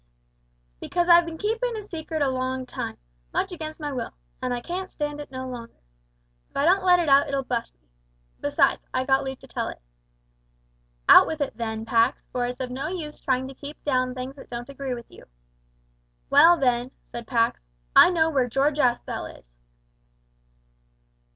"Because I've been keeping a secret a long time much against my will an' I can stand it no longer. If I don't let it out, it'll bu'st me besides, I've got leave to tell it." "Out with it, then, Pax; for it's of no use trying to keep down things that don't agree with you." "Well, then," said Pax. "I know where George Aspel is!"